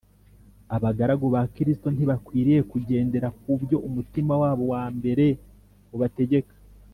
abagaragu ba kristo ntibakwiriye kugendera ku byo umutima wabo wa kamere ubategeka